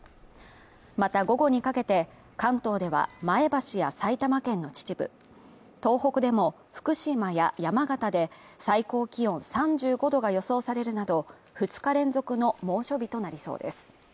また午後にかけて、関東では前橋や埼玉県の秩父東北でも、福島や山形で最高気温３５度が予想されるなど、２日連続の猛暑日となりそうです。